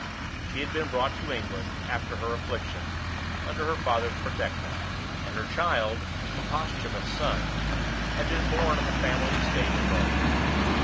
She had been brought to England, after her affliction, under her father's protection; and her child a posthumous son had been born on the family estate in Norfolk.